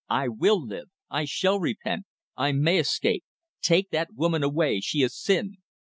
"I will live. I shall repent. I may escape. ... Take that woman away she is sin."